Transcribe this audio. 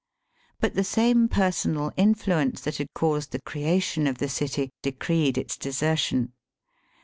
But the same personal influence that had caused the creation of the city decreed its desertion.